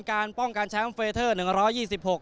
การป้องกันแชมป์เฟเทอร์หนึ่งร้อยยี่สิบหก